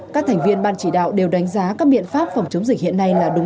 các thành viên ban chỉ đạo đều đánh giá các biện pháp phòng chống dịch hiện nay là đúng